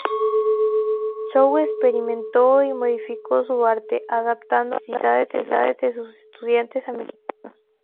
Chow experimento y modificó su arte, adaptando a las necesidades de sus estudiantes americanos.